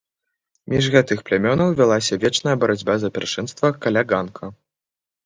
Між гэтых плямёнаў вялася вечная барацьба за пяршынства каля ганка.